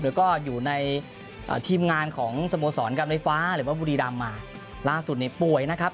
แล้วก็อยู่ในทีมงานของสโมสรการไฟฟ้าหรือว่าบุรีรำมาล่าสุดเนี่ยป่วยนะครับ